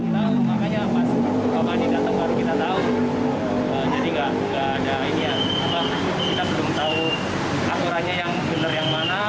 makanya pas bapak di datang baru kita tahu jadi kita belum tahu aturannya yang benar yang mana